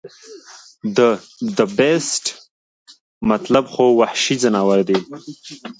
د The Beast مطلب خو وحشي ځناور دے